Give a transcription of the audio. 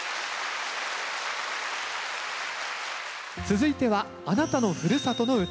続いては「あなたのふるさとの唄」。